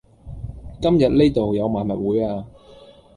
今日呢道有賣物會呀